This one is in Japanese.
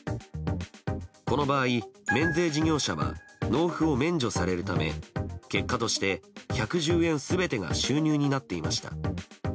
この場合、免税事業者は納付を免除されるため結果として１１０円全てが収入になっていました。